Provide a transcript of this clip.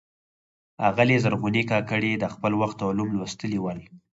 آغلي زرغونې کاکړي د خپل وخت علوم لوستلي ول.